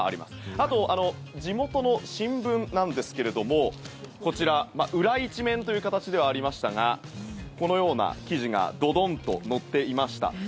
あと地元の新聞なんですけれどもこちら裏１面という形ではありましたがこのような記事がドドンと載っていました。